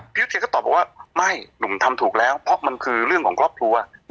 เทียนก็ตอบบอกว่าไม่หนุ่มทำถูกแล้วเพราะมันคือเรื่องของครอบครัว